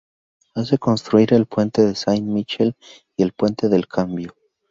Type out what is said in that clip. Hace construir el Puente de Saint-Michel, y el Puente del Cambio.